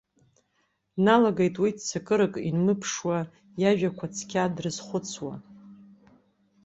Дналагеит уи, ццакырак инмырԥшуа, иажәақәа цқьа дрызхәыцуа.